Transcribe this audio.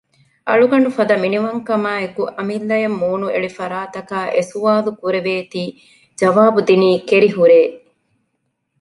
އަޅުގަނޑުފަދަ މިނިވަންކަމާއި އެކު އަމިއްލައަށް މޫނުއެޅި ފަރާތަކާ އެ ސުވާްލު ކުރެވޭތީ ޖަވާބު ދިނީ ކެރިހުރޭ